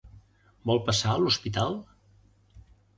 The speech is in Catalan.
Vol passar a l'hospital?